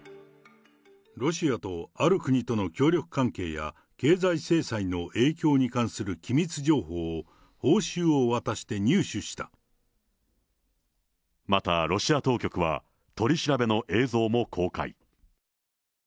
ロシアとある国との協力関係や、経済制裁の影響に関する機密情報を、また、ロシア当局は取り調べの映像も公開。